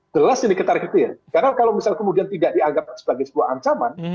jelas ini ketar ketir karena kalau misal kemudian tidak dianggap sebagai sebuah ancaman